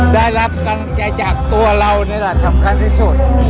ได้รับกำลังใจจากตัวเรานี่แหละสำคัญที่สุด